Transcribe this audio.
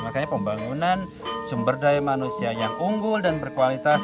makanya pembangunan sumber daya manusia yang unggul dan berkualitas